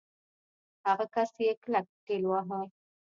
هغه کس يې کلک ټېلوهه.